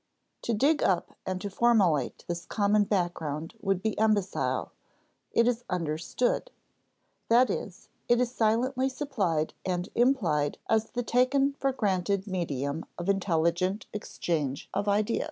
To dig up and to formulate this common background would be imbecile; it is "understood"; that is, it is silently supplied and implied as the taken for granted medium of intelligent exchange of ideas.